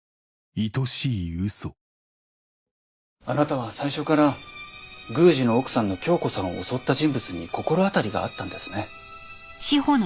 あなたは最初から宮司の奥さんの教子さんを襲った人物に心当たりがあったんですね。